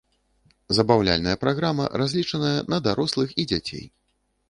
Забаўляльная праграма разлічаная на дарослых і дзяцей.